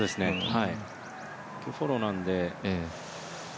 今日、フォローなんで。